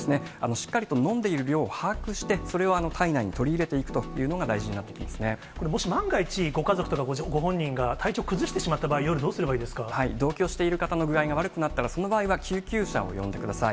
しっかりと飲んでいる量を把握して、それを体内に取り入れていくというのが大事これ、もし万が一、ご家族とかご本人が体調崩してしまった場合、夜、どうしたらいい同居している方の具合が悪くなったら、その場合は救急車を呼んでください。